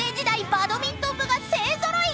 バドミントン部が勢揃い］